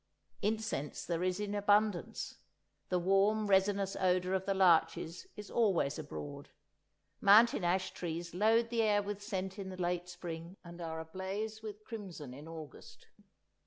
Incense there is in abundance. The warm resinous odour of the larches is always abroad; mountain ash trees load the air with scent in the late spring, and are ablaze with crimson in August.